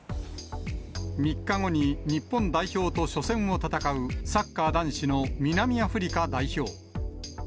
３日後に日本代表と初戦を戦う、サッカー男子の南アフリカ代表。